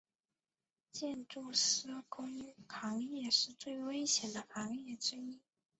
建筑施工行业是最危险的行业之一。